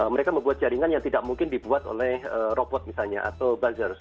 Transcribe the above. mereka membuat jaringan yang tidak mungkin dibuat oleh robot misalnya atau buzzer